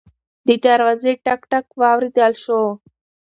د دروازې ټک ټک واورېدل شو.